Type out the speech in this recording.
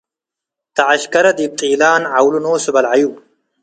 ተዐሸከረ ዲብ ጢላን - ዐውሉ ኖሱ በልዐዩ